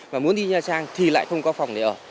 và muốn đi nha trang thì lại không có phòng để ở